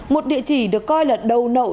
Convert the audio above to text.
một địa chỉ được coi là đầu nậu